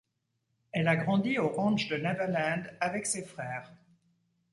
Elle a grandi au ranch de Neverland avec ses frères.